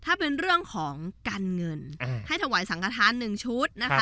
ถ้าเป็นเรื่องของกันเงินให้ถวายสังฆาษณ์หนึ่งชุดนะคะ